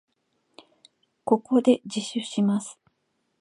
ここで自首します。